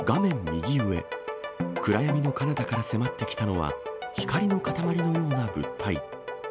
右上、暗闇のかなたから迫ってきたのは、光りの塊のような物体。